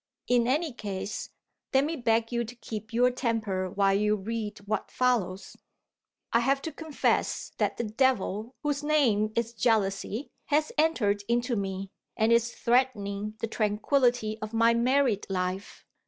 In any case, let me beg you to keep your temper while you read what follows. I have to confess that the devil whose name is Jealousy has entered into me, and is threatening the tranquillity of my married life.